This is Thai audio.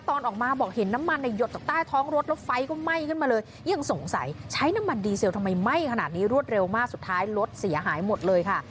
ตอนออกมาบอกเห็นน้ำมันเนี่ยหยดจากใต้ท้องรถแล้วไฟก็ไหม้ขึ้นมาเลยยังสงสัยใช้น้ำมันดีเซลทำไมไหม้ขนาดนี้รวดเร็วมากสุดท้ายรถเสียหายหมดเลยค่ะ